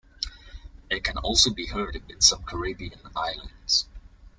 It can also be heard in some Caribbean islands.